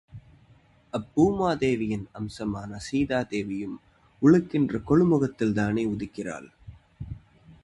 அப்பூமாதேவியின் அம்சமான சீதா தேவியும் உழுகின்ற கொழுமுகத்தில் தானே உதிக்கிறாள்?